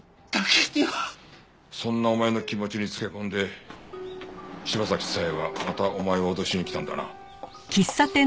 そんなお前の気持ちにつけ込んで柴崎佐江はまたお前を脅しに来たんだな。